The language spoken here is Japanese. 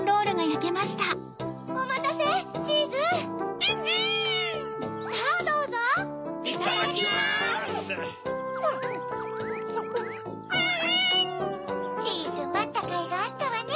チーズまったかいがあったわね。